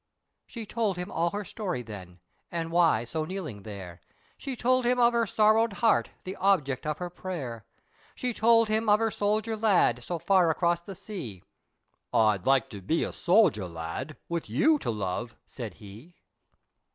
She told him all her story then, and why so kneeling there, She told him of her sorrowed heart, the object of her prayer, She told him of her soldier lad, so far across the sea, "I'd like to be a soldier lad, with you to love!" said he.